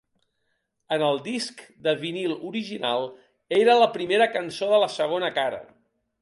En el disc de vinil original era la primera cançó de la segona cara.